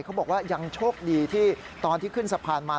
เขาบอกว่ายังโชคดีที่ตอนที่ขึ้นสะพานมา